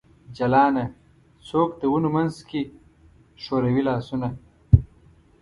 جلانه ! څوک د ونو منځ کې خوروي لاسونه ؟